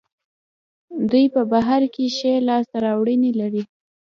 دوی په بهر کې ښې لاسته راوړنې لري.